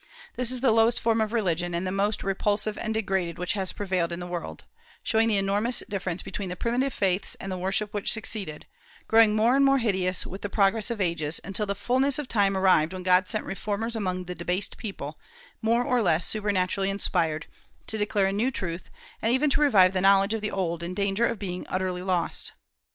This is the lowest form of religion, and the most repulsive and degraded which has prevailed in the world, showing the enormous difference between the primitive faiths and the worship which succeeded, growing more and more hideous with the progress of ages, until the fulness of time arrived when God sent reformers among the debased people, more or less supernaturally inspired, to declare new truth, and even to revive the knowledge of the old in danger of being utterly lost.